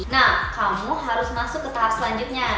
nah kamu harus masuk ke tahap selanjutnya